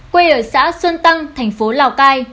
quê ở xã xuân tăng thành phố lào cai